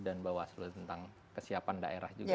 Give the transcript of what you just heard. dan bawaslu tentang kesiapan daerah juga